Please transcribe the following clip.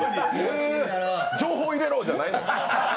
情報入れろ！じゃないのよ。